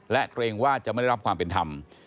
และเกรงว่าจะไม่ได้รับความเป็นธรรม